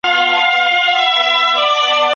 څنګه هغه شیان ومنو چي بدلون یې زموږ په واک کي نه دی؟